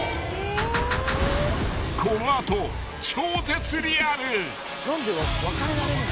［この後超絶リアル］